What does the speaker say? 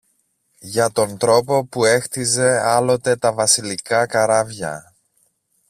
για τον τρόπο που έχτιζε άλλοτε τα βασιλικά καράβια